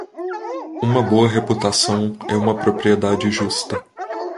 Uma boa reputação é uma propriedade justa.